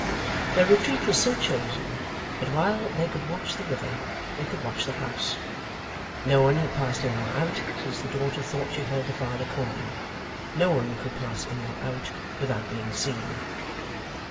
Their retreat was so chosen that while they could watch the river, they could watch the house. No one had passed in or out, since the daughter thought she heard the father calling. No one could pass in or out without being seen.